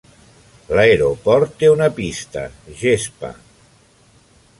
L'aeroport té una pista; gespa.